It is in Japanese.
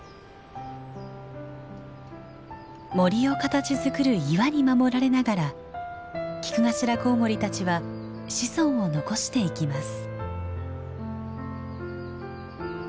森を形づくる岩に守られながらキクガシラコウモリたちは子孫を残していきます。